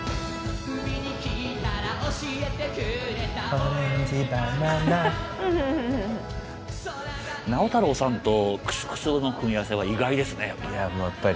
「オレンヂバナナ」直太朗さんとＫＵＳＵＫＵＳＵの組み合わせは意外ですねやっぱり。